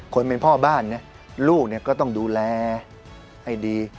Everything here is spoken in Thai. คนเป็นพ่อบ้านเนี่ยลูกก็ต้องดูแลให้ดี